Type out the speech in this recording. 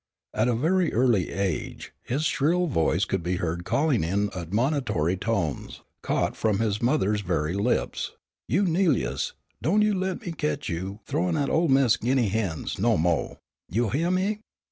At a very early age his shrill voice could be heard calling in admonitory tones, caught from his mother's very lips, "You 'Nelius, don' you let me ketch you th'owin' at ol' mis' guinea hens no mo'; you hyeah me?"